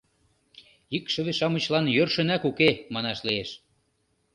Икшыве-шамычлан йӧршынак уке, манаш лиеш.